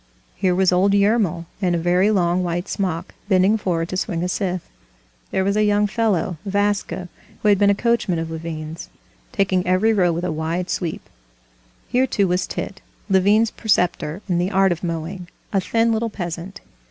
Here was old Yermil in a very long white smock, bending forward to swing a scythe; there was a young fellow, Vaska, who had been a coachman of Levin's, taking every row with a wide sweep. Here, too, was Tit, Levin's preceptor in the art of mowing, a thin little peasant.